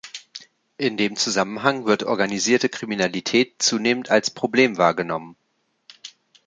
In dem Zusammenhang wird organisierte Kriminalität zunehmend als Problem wahrgenommen.